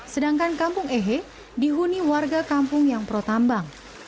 sedangkan kampung ehe dihuni warga kampung yang protambang